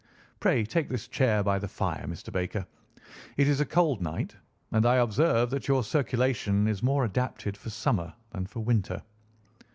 "Pray take this chair by the fire, Mr. Baker. It is a cold night, and I observe that your circulation is more adapted for summer than for winter.